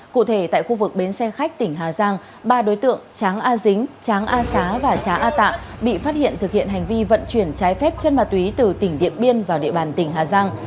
cụ thể tại khu vực bến xe khách tỉnh hà giang ba đối tượng tráng a dính tráng a xá và tráng a tạ bị phát hiện thực hiện hành vi vận chuyển trái phép chân ma túy từ tỉnh điện biên vào địa bàn tỉnh hà giang